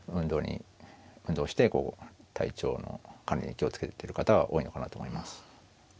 運動して体調の管理に気を付けてる方は多いのかなと思います。